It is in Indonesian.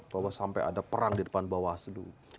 bahwa sampai ada perang di depan bawah seduh